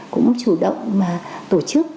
cũng chủ động tổ chức